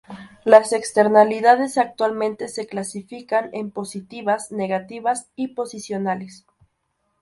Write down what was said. Las externalidades actualmente se clasifican en positivas; negativas y posicionales.